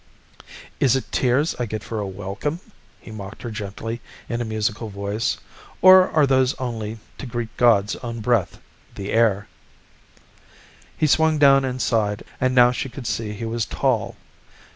"Is it tears I get for a welcome?" he mocked her gently in a musical voice. "Or are those only to greet God's own breath, the air?" He swung down inside and now she could see he was tall.